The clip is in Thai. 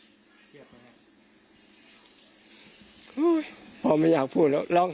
มีเรื่องอะไรมาคุยกันรับได้ทุกอย่าง